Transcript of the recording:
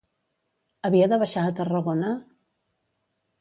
Havia de baixar a Tarragona?